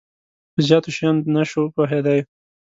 په زیاتو شیانو نه شو پوهیدای.